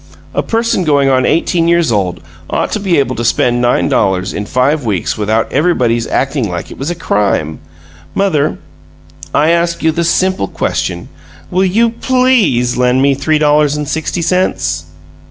"A person going on eighteen years old ought to be able to spend nine dollars in five weeks without everybody's acting like it was a crime! Mother, I ask you the simple question: Will you PLEASE lend me three dollars and sixty cents?"